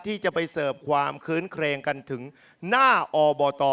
ที่จะไปเสิร์ฟความคื้นเครงกันถึงหน้าอบต